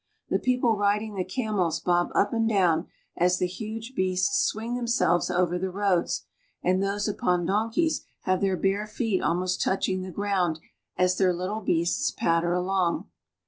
The people riding the camels bob up and down as the huge beasts swing themselves over the roads, and those upon donkeys have their bare feet almost touching the ground as their little beasts patter along.